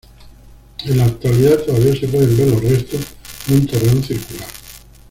En la actualidad todavía se pueden ver los restos de un torreón circular.